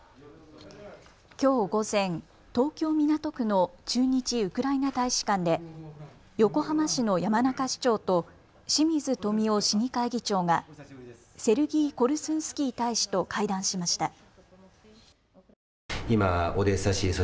きょう午前、東京港区の駐日ウクライナ大使館で横浜市の山中市長と清水富雄市議会議長がセルギー・コルスンスキー大使と会談しました。